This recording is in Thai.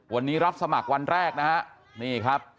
วันนี้รับสมัครวันแรก